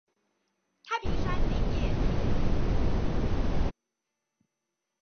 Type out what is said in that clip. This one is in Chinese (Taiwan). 太平山林業鐵路